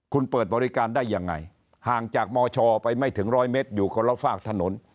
คุณเปิดบริการได้ยังไงห่างจากมชไปไม่ถึงร้อยเมตรอยู่คนละฝากถนน